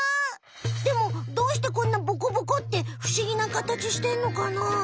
でもどうしてこんなボコボコってふしぎなかたちしてんのかな？